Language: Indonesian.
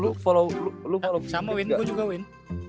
lu follow king jams ga sama win gua juga win